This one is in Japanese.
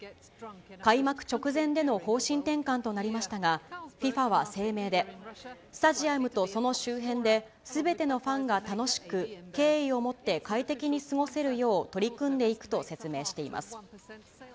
開幕直前での方針転換となりましたが、ＦＩＦＡは声明で、スタジアムとその周辺で、すべてのファンが楽しく、敬意を持って快適に過ごせるよう取り組んでいくと説明しています。